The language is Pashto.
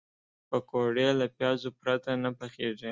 پکورې له پیازو پرته نه پخېږي